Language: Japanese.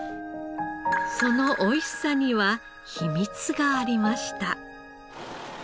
そのおいしさには秘密がありました。